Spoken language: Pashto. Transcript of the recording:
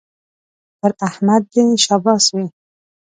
پر احمد دې شاباس وي